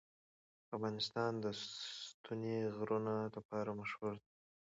افغانستان د ستوني غرونه لپاره مشهور دی.